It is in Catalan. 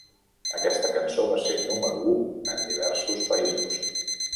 Aquesta cançó va ser número u en diversos països.